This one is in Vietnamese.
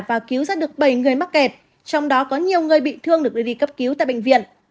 và cứu ra được bảy người mắc kẹt trong đó có nhiều người bị thương được đưa đi cấp cứu tại bệnh viện